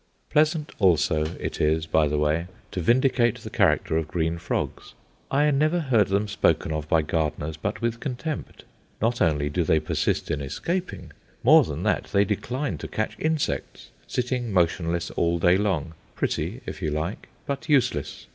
Pleasant also it is, by the way, to vindicate the character of green frogs. I never heard them spoken of by gardeners but with contempt. Not only do they persist in escaping; more than that, they decline to catch insects, sitting motionless all day long pretty, if you like, but useless.